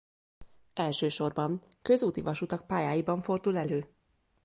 Elsősorban közúti vasutak pályáiban fordul elő.